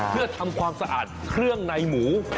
เพื่อทำความสะอาดเครื่องในหมู